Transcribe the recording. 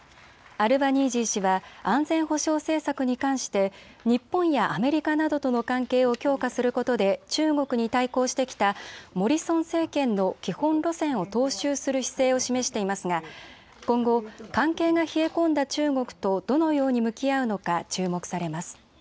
アルバニージー氏は安全保障政策に関して日本やアメリカなどとの関係を強化することで中国に対抗してきたモリソン政権の基本路線を踏襲する姿勢を示していますが今後、関係が冷え込んだ中国とどのように向き合うのか注目されます。